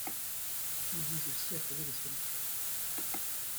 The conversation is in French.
Il vise aussi à trouver des solutions.